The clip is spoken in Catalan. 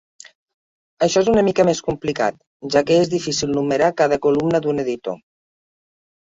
Això és una mica més complicat, ja que és difícil numerar cada columna d'un editor.